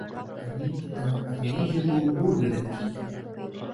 اريک د اريايي ژبو مور ګڼل کېږي.